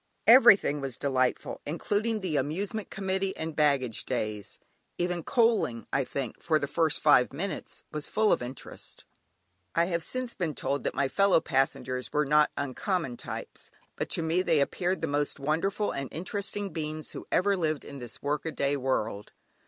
Everything was delightful, including the "Amusement Committee" and "Baggage Days"; even coaling, I think, for the first five minutes was full of interest. I have since been told that my fellow passengers were not uncommon types, but to me they appeared the most wonderful and interesting beings who ever lived in this work a day world.